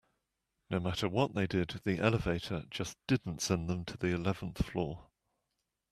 No matter what they did, the elevator just didn't send them to the eleventh floor.